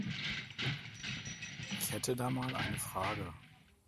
Ich hätte da mal eine Frage.